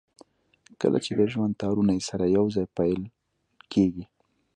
کله چې د ژوند تارونه يې سره يو ځای پييل کېږي.